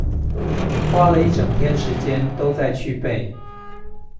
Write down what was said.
花了一整天時間都在去背